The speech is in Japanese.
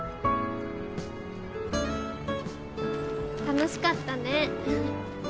楽しかったね。